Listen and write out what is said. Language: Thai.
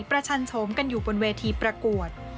ชันโฉมกันอยู่บนเวทีประกวด